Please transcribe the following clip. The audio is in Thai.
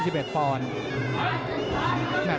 และคนอื่น